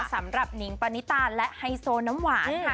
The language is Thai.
หนิงปณิตาและไฮโซน้ำหวานค่ะ